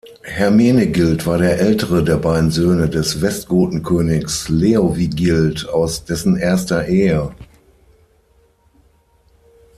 Hermenegild war der ältere der beiden Söhne des Westgotenkönigs Leovigild aus dessen erster Ehe.